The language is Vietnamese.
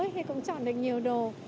thì cũng chọn được nhiều đồ